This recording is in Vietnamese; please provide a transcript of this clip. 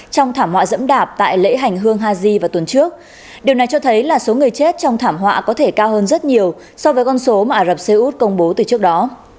trong thảm họa dẫm đạp tại lễ hành hương haji vào tuần trước điều này cho thấy là số người chết trong thảm họa có thể cao hơn rất nhiều so với con số mà ả rập xê út công bố từ trước đó